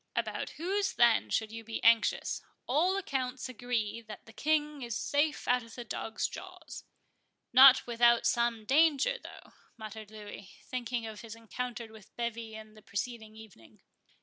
"About whose, then, should you be anxious?—All accounts agree that the King is safe out of the dogs' jaws." "Not without some danger, though," muttered Louis, thinking of his encounter with Bevis on the preceding evening.